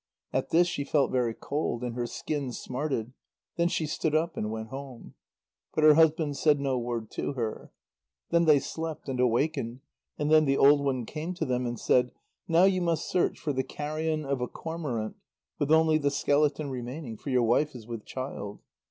At this she felt very cold, and her skin smarted. Then she stood up and went home. But her husband said no word to her. Then they slept, and awakened, and then the old one came to them and said: "Now you must search for the carrion of a cormorant, with only the skeleton remaining, for your wife is with child."